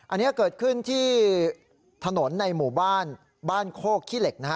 อันนี้เกิดขึ้นที่ถนนในหมู่บ้านบ้านโคกขี้เหล็กนะฮะ